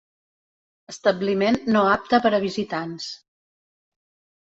Establiment no apte per a visitants.